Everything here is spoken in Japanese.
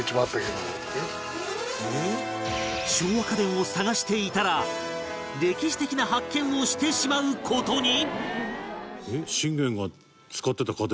昭和家電を探していたら歴史的な発見をしてしまう事に！？